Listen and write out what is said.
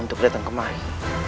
untuk datang kemari